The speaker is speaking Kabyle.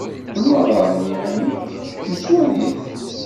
Nnwaḍer-nni-inek, n twalit?